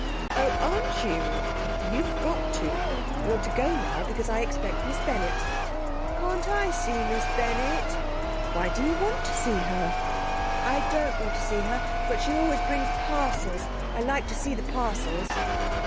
'Oh, aren't you? You've got to; you're to go now because I expect Miss Bennett.' 'Can't I see Miss Bennett?' 'Why do you want to see her?' 'I don't want to see her; but she always brings parcels. I like to see the parcels.'